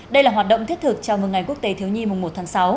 đây là hoạt động thiết thực chào mừng ngày quốc tế thiếu nhi mùng một tháng sáu